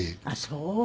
あっそう！